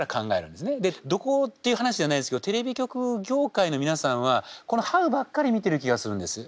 でどこっていう話じゃないですけどテレビ局業界の皆さんはこのＨＯＷばっかり見てる気がするんです。